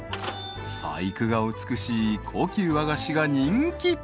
［細工が美しい高級和菓子が人気］